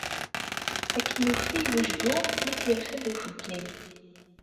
Akken ufay wejgu, i t-irfed ufeggag.